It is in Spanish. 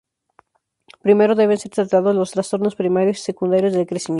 Primero deben ser tratados los trastornos primarios y secundarios del crecimiento.